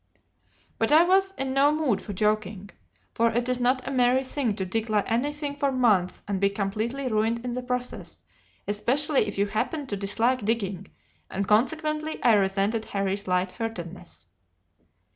"But I was in no mood for joking, for it is not a merry thing to dig like anything for months and be completely ruined in the process, especially if you happen to dislike digging, and consequently I resented Harry's light heartedness.